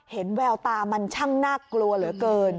แววตามันช่างน่ากลัวเหลือเกิน